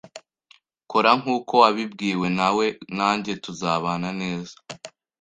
Kora nkuko wabibwiwe nawe nanjye tuzabana neza